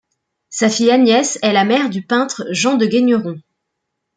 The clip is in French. Sa fille Agnès est la mère du peintre Jean de Gaigneron.